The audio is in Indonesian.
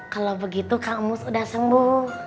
kalau begitu kak mus udah sembuh